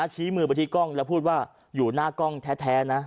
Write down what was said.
ชี้มือไปที่กล้องแล้วพูดว่าอยู่หน้ากล้องแท้นะ